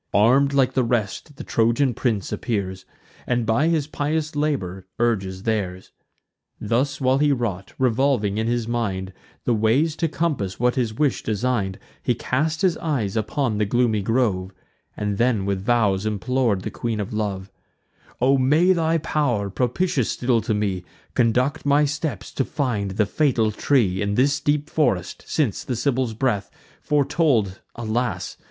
Arm'd like the rest the Trojan prince appears, And by his pious labour urges theirs. Thus while he wrought, revolving in his mind The ways to compass what his wish design'd, He cast his eyes upon the gloomy grove, And then with vows implor'd the Queen of Love: "O may thy pow'r, propitious still to me, Conduct my steps to find the fatal tree, In this deep forest; since the Sibyl's breath Foretold, alas!